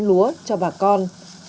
lúa cho bà con